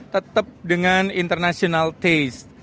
tetap dengan international taste